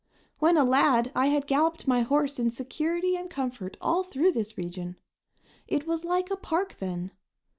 When a lad I had galloped my horse in security and comfort all through this region. It was like a park then.